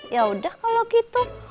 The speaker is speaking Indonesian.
ya udah kalau gitu